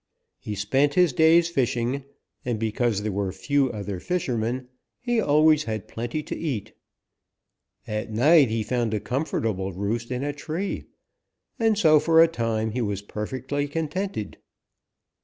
He spent his days fishing, and, because there were few other fishermen, he always had plenty to eat. At night he found a comfortable roost in a tree, and so for a time he was perfectly contented.